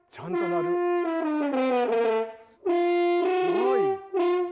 すごい。